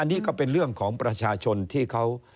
อันนี้ก็เป็นเรื่องของประชาชนที่เขา